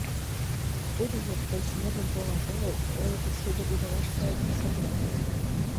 — Тудо вет, тый снегым погаш огыл, олыкыш, шудо удыраш кает, шонен.